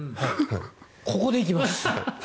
ここで行きます。